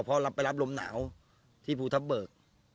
เพราะเขารับไปร้มหนาวที่ภูทัศบรรก